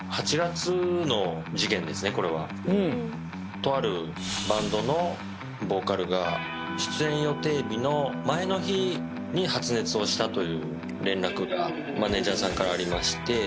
とあるバンドのボーカルが出演予定日の前の日に発熱をしたという連絡がマネジャーさんからありまして。